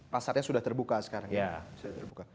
pasarnya sudah terbuka sekarang ya